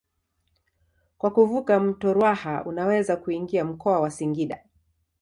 Kwa kuvuka mto Ruaha unaweza kuingia mkoa wa Singida.